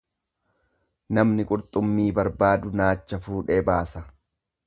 Namni qurxummii barbaadu naacha fuudhee baasa.